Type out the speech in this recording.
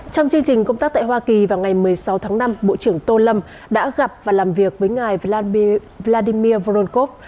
trong chương trình công tác tại hoa kỳ vào ngày một mươi sáu tháng năm bộ trưởng tô lâm đã gặp và làm việc với ngài vladi vladimir voronkov